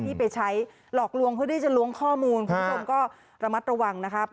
ไปใช้หลอกลวงเพื่อที่จะล้วงข้อมูลคุณผู้ชมก็ระมัดระวังนะครับ